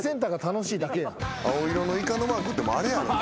青色のイカのマークってあれやろ。